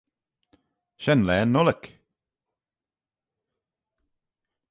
Shen laa yn ollick.